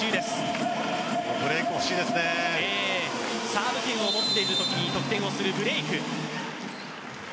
サーブ権を持っているときに得点をするブレーク。